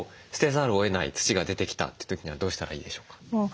捨てざるをえない土が出てきたという時にはどうしたらいいでしょうか？